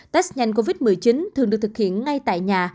test nhanh covid một mươi chín thường được thực hiện ngay tại nhà